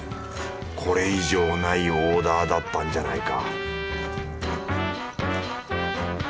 これ以上ないオーダーだったんじゃないか